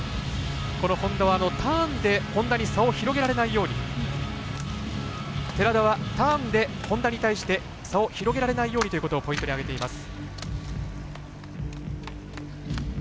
寺田はターンで本多に差を広げられないように寺田はターンで本多に対して差を広げられないようにというのをポイントに挙げています。